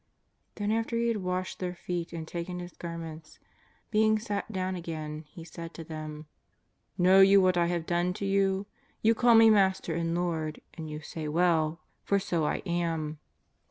Then after He had washed their feet and taken His garments, being sat dowm again, He said to them :" Know you what I have done to you ? You call Me Master and Lord, and you say well, for so I am.